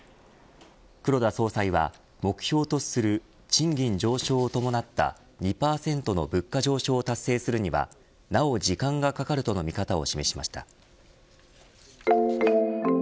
黒田総裁は目標とする賃金上昇を伴った２％の物価上昇を達成するにはなお時間がかかるとの見方を示しました。